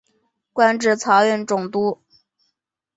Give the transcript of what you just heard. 官至漕运总督。